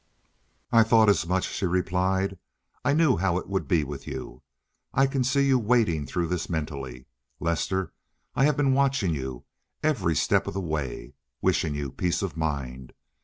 "I thought as much," she replied. "I knew how it would be with you. I can see you wading through this mentally, Lester. I have been watching you, every step of the way, wishing you peace of mind.